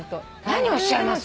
何をおっしゃいます。